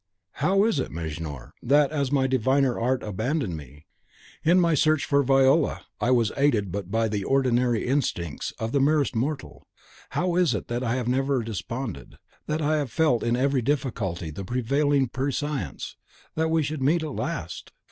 How is it, Mejnour, that, as my diviner art abandoned me, as, in my search for Viola, I was aided but by the ordinary instincts of the merest mortal, how is it that I have never desponded, that I have felt in every difficulty the prevailing prescience that we should meet at last?